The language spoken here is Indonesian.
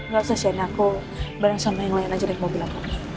gak selesaiin aku bareng sama yang lain aja naik mobil aku